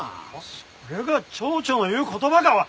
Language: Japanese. それが町長の言う言葉か！